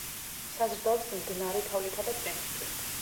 საზრდოობს მდნარი თოვლითა და წვიმის წყლით.